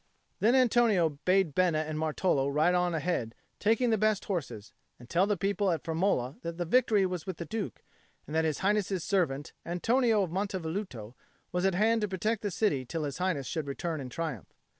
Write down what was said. Then Antonio bade Bena and Martolo ride on ahead, taking the best horses, and tell the people at Firmola that victory was with the Duke, and that His Highness's servant, Antonio of Monte Velluto, was at hand to protect the city till His Highness should return in triumph.